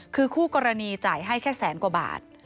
คือคู่กรณีจ่ายให้แค่แสนกว่าบาท